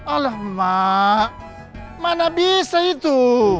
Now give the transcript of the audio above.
allah mak mana bisa itu